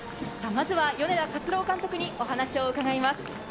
まずは、米田勝朗監督にお話を伺います。